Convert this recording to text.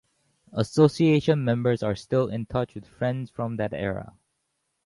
Association members are still in touch with friends from that era.